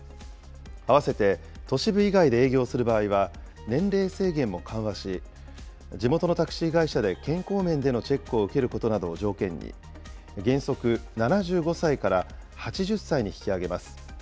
併せて都市部以外で営業する場合は、年齢制限も緩和し、地元のタクシー会社で健康面でのチェックを受けることなどを条件に、原則７５歳から８０歳に引き上げます。